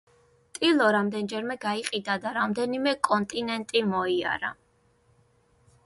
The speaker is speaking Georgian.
ტილო რამდენჯერმე გაიყიდა და რამდენიმე კონტინენტი მოიარა.